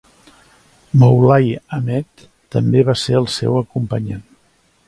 Moulai Ahmed també va ser el seu acompanyant.